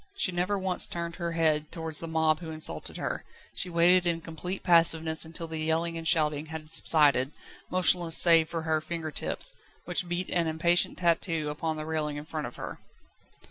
She never once turned her head towards the mob who insulted her. She waited in complete passiveness until the yelling and shouting had subsided, motionless save for her finger tips, which beat an impatient tattoo upon the railing in front of her.